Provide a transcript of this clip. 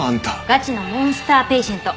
ガチのモンスターペイシェント。